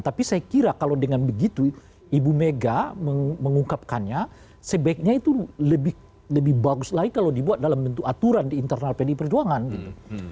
tapi saya kira kalau dengan begitu ibu mega mengungkapkannya sebaiknya itu lebih bagus lagi kalau dibuat dalam bentuk aturan di internal pdi perjuangan gitu